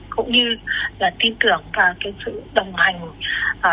cũng như tin tưởng vào sự đồng hành luôn luôn chia sẻ của mặt trận và các tổ chức chính trị xã hội